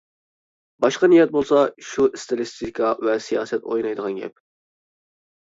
باشقا نىيەت بولسا، شۇ، ئىستىلىستىكا ۋە سىياسەت ئوينايدىغان گەپ.